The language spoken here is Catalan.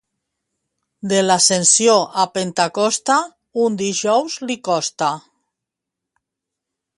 De l'Ascensió a Pentecosta, un dijous li costa.